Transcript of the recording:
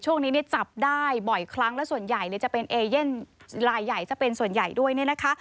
ช่วงนี้เนี่ยจับได้บ่อยครั้งและส่วนใหญ่จะเป็นเอเย่นลายใหญ่ซะเป็นส่วนใหญ่ด้วยเนี่ยนะคะ